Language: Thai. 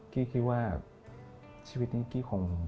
กี้คิดว่าชีวิตนี้กี้คง